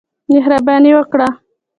مهرباني وکړه.